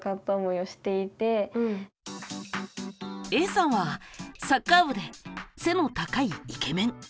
Ａさんはサッカー部で背の高いイケメン。